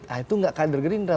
nah itu nggak kader gerindra